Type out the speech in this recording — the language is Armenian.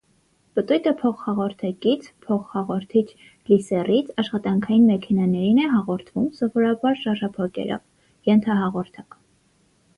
Պտույտը փոխհաղորդակից (փոխհաղորդիչ լիսեռից) աշխատանքային մեքենաներին է հաղորդվում, սովորաբար, շարժափոկերով (ենթահաղորդակ)։